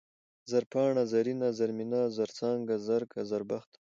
زرپاڼه ، زرينه ، زرمينه ، زرڅانگه ، زرکه ، زربخته